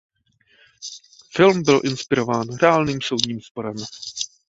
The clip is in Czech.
Film byl inspirován reálným soudním sporem.